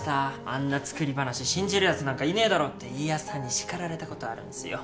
あんな作り話信じるやつなんかいねえだろって家康さんに叱られたことあるんすよ。